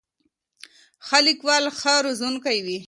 ښه لیکوال ښه روزونکی وي.